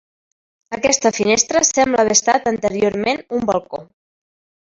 Aquesta finestra sembla haver estat anteriorment un balcó.